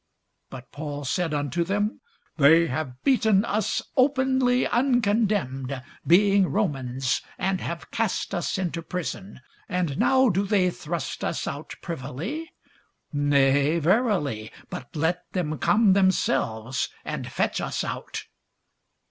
But Paul said unto them, They have beaten us openly uncondemned, being Romans, and have cast us into prison; and now do they thrust us out privily? nay verily; but let them come themselves and fetch us out.